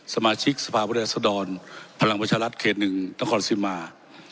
สมาชิกสภาพวิทยาศดรพลังพจรรย์รัฐเขตหนึ่งนครสิมมาร์